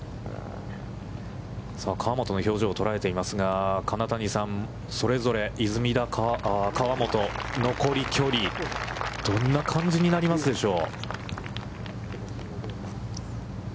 河本の表情を捉えていますが、金谷さん、それぞれ、出水田、河本、残り距離、どんな感じになりますでしょう？